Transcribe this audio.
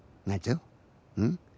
うん？